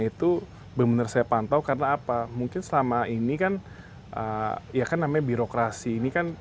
itu benar benar saya pantau karena apa mungkin selama ini kan ya kan namanya birokrasi ini kan